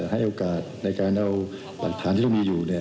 ให้โอกาสในการเอาหลักฐานที่เรามีอยู่